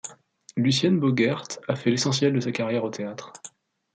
Lucienne Bogaert a fait l'essentiel de sa carrière au théâtre.